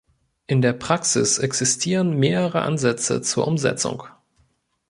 In der Praxis existieren mehrere Ansätze zur Umsetzung.